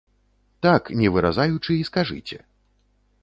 Так, не выразаючы, і скажыце.